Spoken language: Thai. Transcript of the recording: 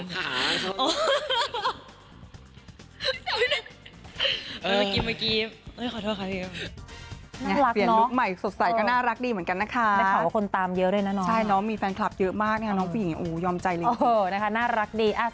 น้องเนี่ยกิมะกิ้ม